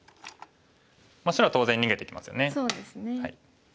白は当然逃げてきますよね。